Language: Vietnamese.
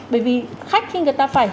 bởi vì khách khi người ta phải